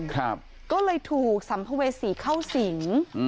ก็เลยถูกสัมภเวษีเข้าสิง